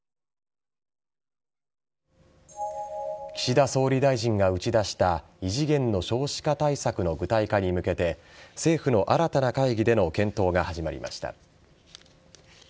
岸田総理大臣が打ち出した異次元の少子化対策の具体化に向けて政府の新たな会議での検討が始まりました。